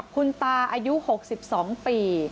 คุณตาอายุ๖๒ปี